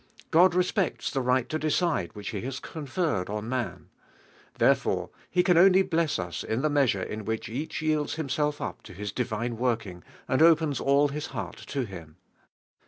God respects Mir right id decide which Be baa .■i.iif,. m .,i on man. Therefore He can only bless us in the measure in which each yields him DIV1HE IILALIKU. self up to His divine working, and opens all his heart to Him.